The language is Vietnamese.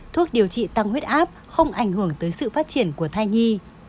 thuốc điều trị tăng huyết áp không ảnh hưởng tới sự phát triển của thai nhi